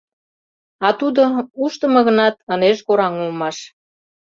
А тудо, ушдымо гынат, ынеж кораҥ улмаш.